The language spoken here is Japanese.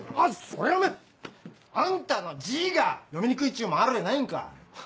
それはおめぇあんたの字が読みにくいっちゅうんもあるんやないんか。